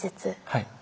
はい。